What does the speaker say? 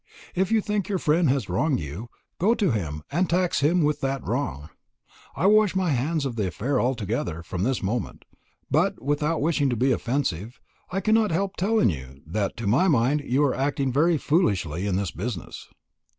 If you think your friend has wronged you, go to him, and tax him with that wrong. I wash my hands of the affair altogether, from this moment; but, without wishing to be offensive, I cannot help telling you, that to my mind you are acting very foolishly in this business."